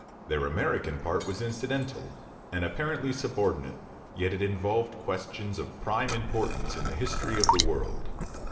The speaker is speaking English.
Their American part was incidental and apparently subordinate, yet it involved questions of prime importance in the history of the world.